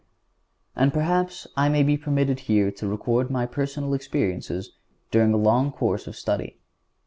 And perhaps I may be permitted here to record my personal experiences during a long course of study.